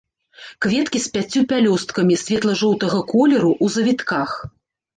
Кветкі з пяццю пялёсткамі, светла-жоўтага колеру, у завітках.